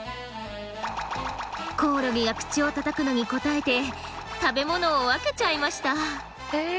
コオロギが口をたたくのに応えて食べ物を分けちゃいました。